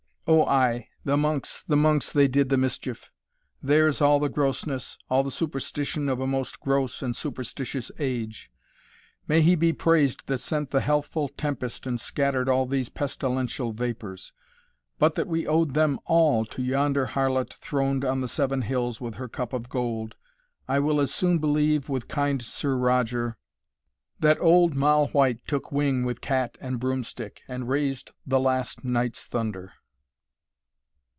O ay! the Monks, the Monks they did the mischief! Theirs all the grossness, all the superstition Of a most gross and superstitious age May He be praised that sent the healthful tempest And scatter'd all these pestilential vapours! But that we owed them all to yonder Harlot Throned on the seven hills with her cup of gold, I will as soon believe, with kind Sir Roger, That old Moll White took wing with cat and broomstick, And raised the last night's thunder.